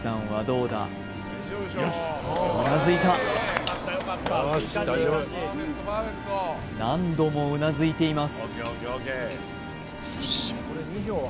うなずいた何度もうなずいています